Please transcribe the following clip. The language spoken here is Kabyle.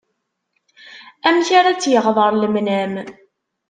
Amek ara tt-iɣḍer lemnam.